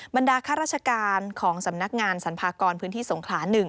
บรรดาข้าราชการของสำนักงานสรรพากรพื้นที่สงขลา๑